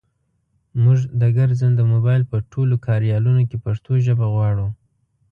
مونږ د ګرځنده مبایل په ټولو کاریالونو کې پښتو ژبه غواړو.